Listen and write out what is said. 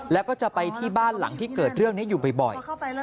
แล้วก็จะไปที่บ้านหลังที่เกิดเรื่องนี้อยู่บ่อย